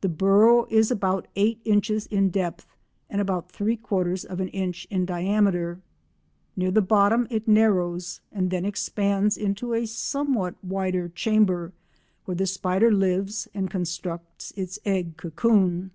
The burrow is about eight inches in depth and about three quarters of an inch in diameter. Near the bottom it narrows and then expands into a somewhat wider chamber where the spider lives and constructs its egg cocoon.